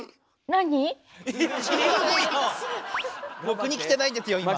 僕に来てないんですよ今。